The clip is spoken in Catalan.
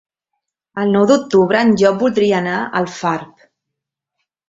El nou d'octubre en Llop voldria anar a Alfarb.